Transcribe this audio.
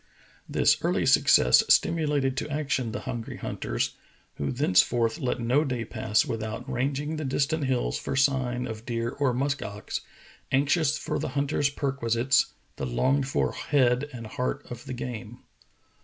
This early success stimulated to action the hungry hunters, who thenceforth let no day pass without ranging the distant hills for sign of deer or musk ox, anxious for the hunter's perquisites — the longed for head and heart of the game.